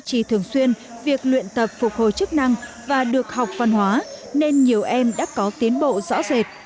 được duy trì thường xuyên việc luyện tập phục hồi chức năng và được học văn hóa nên nhiều em đã có tiến bộ rõ rệt